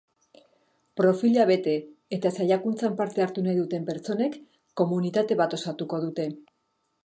Profila bete eta saiakuntzan parte hartu nahi duten pertsonek komunitate bat osatuko dute.